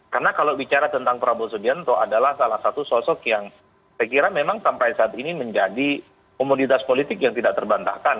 karena kalau bicara tentang prabowo soebianto adalah salah satu sosok yang saya kira memang sampai saat ini menjadi komoditas politik yang tidak terbantahkan